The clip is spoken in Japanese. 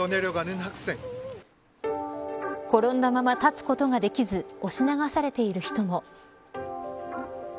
転んだまま立つことができず押し流されている人も。